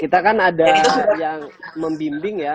kita kan ada yang membimbing ya